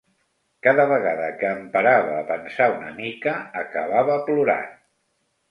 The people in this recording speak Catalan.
Cada vegada que em parava a pensar una mica acabava plorant.